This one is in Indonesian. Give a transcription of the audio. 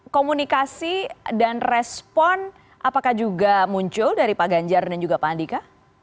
komunikasi dan respon apakah juga muncul dari pak ganjar dan juga pak andika